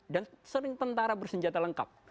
dan sering tentara bersenjata lengkap